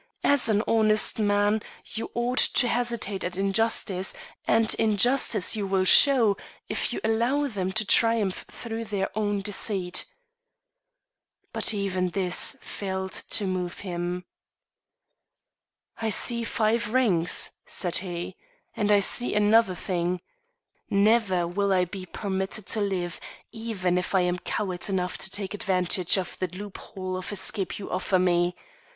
As an honest man, you ought to hesitate at injustice, and injustice you will show if you allow them to triumph through their own deceit." But even this failed to move him. "I see five rings," said he, "and I see another thing. Never will I be permitted to live even if I am coward enough to take advantage of the loophole of escape you offer me.